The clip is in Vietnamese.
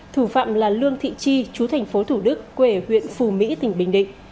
thủ phạm là lương thị chi chú thành phố thủ đức quê ở huyện phù mỹ tỉnh bình định